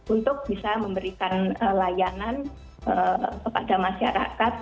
untuk bisa memberikan layanan kepada masyarakat